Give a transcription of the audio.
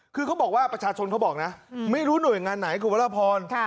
คือเขาบอกว่าประชาชนเขาบอกนะไม่รู้หน่วยงานไหนคุณพระราพร